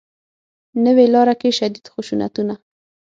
نوې لاره کې شدید خشونتونه